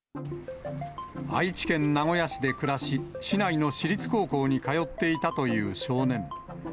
愛知県名古屋市で暮らし、市内の私立高校に通っていたという少年。